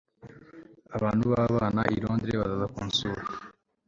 abantu babana i londres bazaza kunsura